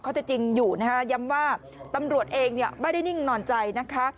จะจริงอยู่นะคะย้ำว่าตำรวจเองไม่ได้นิ่งนอนใจนะคะ